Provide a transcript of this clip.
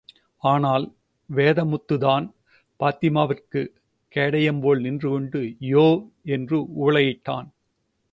ஆனால், வேதமுத்துதான், பாத்திமாவிற்கு கேடயம்போல், நின்றுகொண்டு யோவ் என்று ஊளையிட்டான்.